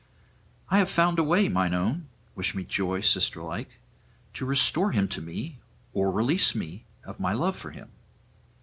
'I have found a way, mine own wish me joy, sisterlike to restore him to me or release me of my love for him.